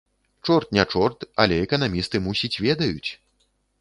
Чорт не чорт, але эканамісты, мусіць, ведаюць.